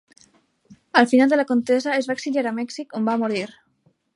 Al final de la contesa es va exiliar a Mèxic, on va morir.